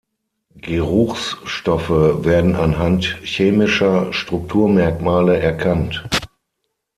Geruchsstoffe werden anhand chemischer Strukturmerkmale erkannt.